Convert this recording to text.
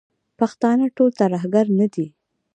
پښتانه ټول ترهګر نه دي.